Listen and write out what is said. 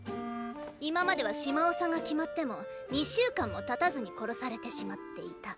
今までは島長が決まっても２週間もたたずに殺されてしまっていた。